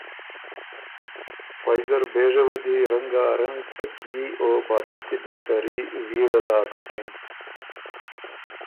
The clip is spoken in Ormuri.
فئ زر بېژه وه دی رنګارنګ تکئي او بالِشتي بِݭتَري ویړه داک بُکِن۔